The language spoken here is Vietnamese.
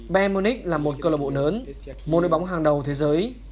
bayern munich là một club lớn một nơi bóng hàng đầu thế giới